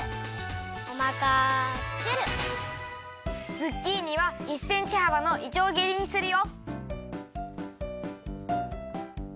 ズッキーニは１センチはばのいちょうぎりにするよ。